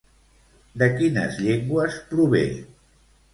De quines llengües prové?